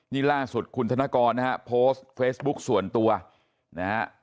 นี่ล่าสุดคุณธนกรนะฮะโพสต์เฟซบุ๊กส่วนตัวนะฮะ